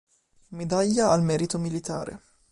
Medaglia al merito militare